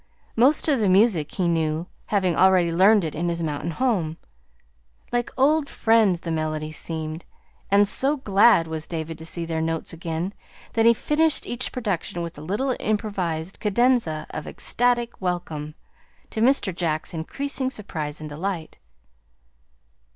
Most of the music he knew, having already learned it in his mountain home. Like old friends the melodies seemed, and so glad was David to see their notes again that he finished each production with a little improvised cadenza of ecstatic welcome to Mr. Jack's increasing surprise and delight.